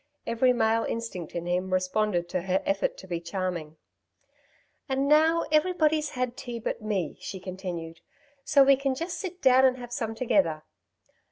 Every male instinct in him responded to her effort to be charming. "And now everybody's had tea but me," she continued. "So we can just sit down and have some together."